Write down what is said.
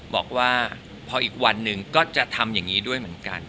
บอกว่าพออีกวันหนึ่งก็จะทำอย่างนี้ด้วยเหมือนกัน